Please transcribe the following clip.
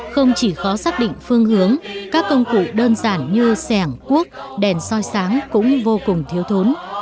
không chỉ khó xác định phương hướng các công cụ đơn giản như sẻng cuốc đèn soi sáng cũng vô cùng thiếu thốn